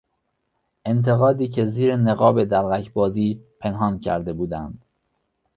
انتقادی که زیر نقاب دلقکبازی پنهان کرده بودند